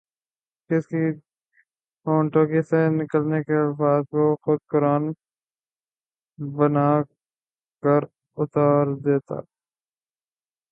کہ جس کے ہونٹوں سے نکلے الفاظ کو خدا قرآن بنا کر اتار دیتا